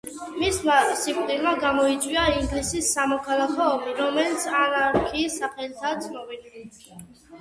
მისმა სიკვდილმა გამოიწვია ინგლისის სამოქალაქო ომი, რომელიც ანარქიის სახელითაა ცნობილი.